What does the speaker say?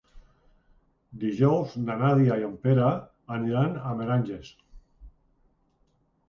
Dijous na Nàdia i en Pere aniran a Meranges.